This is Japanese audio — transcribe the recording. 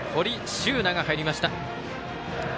柊那が入りました。